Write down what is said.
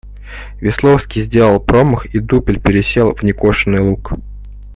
Весловский сделал промах, и дупель пересел в некошенный луг.